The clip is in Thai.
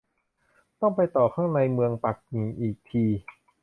ต้องไปต่อข้างในเมืองปักกิ่งอีกที